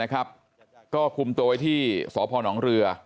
ก็คุมตัวไว้ที่สพนเรือ